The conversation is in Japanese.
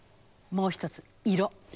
もう一つ色。